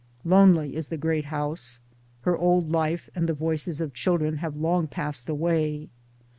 Lonely is the great house; her old life and the voices of children have long passed away.